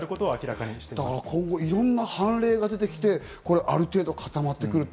今後、いろんな判例が出てきて、ある程度固まってくる。